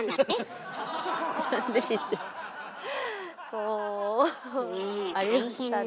そうありましたね。